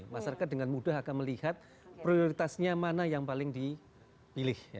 masyarakat dengan mudah akan melihat prioritasnya mana yang paling dipilih